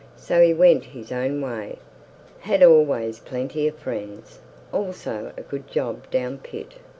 So he went his own way, had always plenty of friends, always a good job down pit.